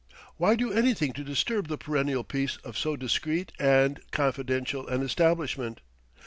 Why do anything to disturb the perennial peace of so discreet and confidential an establishment?